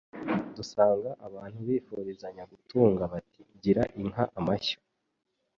dusanga abantu bifurizanya gutunga. Bati gira inka amashyo